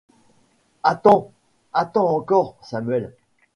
Attends ! attends encore, Samuel !